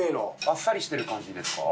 あっさりしてる感じですか？